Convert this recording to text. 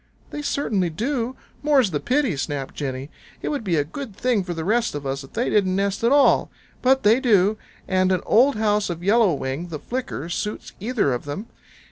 "They certainly do, more's the pity!" snapped Jenny. "It would be a good thing for the rest of us if they didn't nest at all. But they do, and an old house of Yellow Wing the Flicker suits either of them.